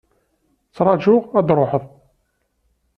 Ttrajuɣ ad truḥeḍ.